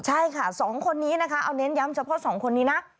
ใช่ค่ะสองคนนี้นะคะเอาเน้นย้ำเฉพาะสองคนนี้นะ